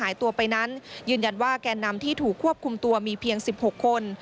หายตัวไปนั้นยืนยันว่าแกนนำที่ถูกควบคุมตัวมีเพียง๑๖คน